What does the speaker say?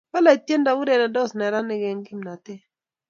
Bolei tiendo urerendos nenarik eng kimnatet